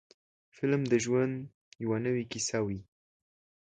فلم د ژوند یوه نوې کیسه وي.